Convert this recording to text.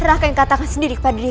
raka yang katakan sendiri kepada diri